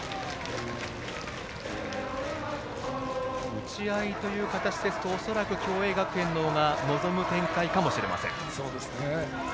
打ち合いという形ですと恐らく共栄学園の方が望む展開かもしれません。